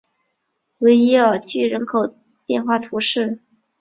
维耶尔济人口变化图示